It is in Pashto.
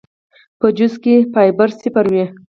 پۀ جوس کښې فائبر صفر وي